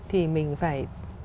thì mình phải